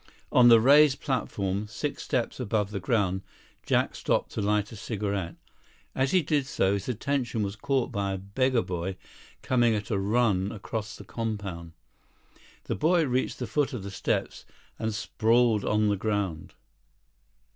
On the raised platform, six steps above the ground, Jack stopped to light a cigarette. As he did so, his attention was caught by a beggar boy coming at a run across the compound. The boy reached the foot of the steps and sprawled on the ground.